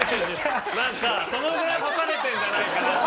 なんかそのぐらい干されてるんじゃないかなって。